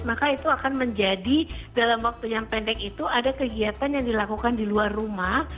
maka itu akan menjadi dalam waktu yang pendek itu ada kegiatan yang dilakukan di luar rumah